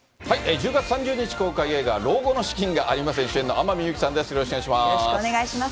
１０月３０日公開、映画、老後の資金がありません主演の天海祐希さんです。